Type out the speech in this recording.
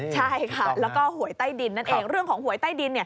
ใช่ค่ะแล้วก็หวยใต้ดินนั่นเองเรื่องของหวยใต้ดิน